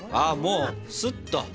あもうスッと。